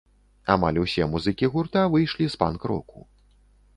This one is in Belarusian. Амаль усе музыкі гурта выйшлі з панк-року.